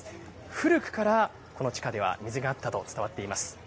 古くからこの地下では水があったと伝わっています。